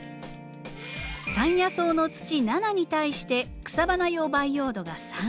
山野草の土７に対して草花用培養土が３。